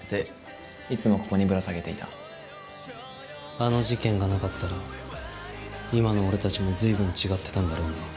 あの事件がなかったら今の俺たちも随分違ってたんだろうな。